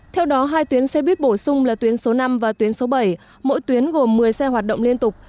theo đó hai tuyến xe buýt bổ sung là tuyến số năm và tuyến số bảy mỗi tuyến gồm một mươi xe hoạt động liên tục